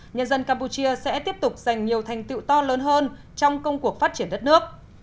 nhân dân campuchia sẽ tiếp tục giành nhiều thành tựu to lớn hơn trong công cuộc phát triển đất nước